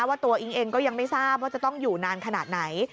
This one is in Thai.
ว่าตัวอิ๊งเองก็ยังไม่ทราบว่าจะต้องอยู่นานขนาดไหน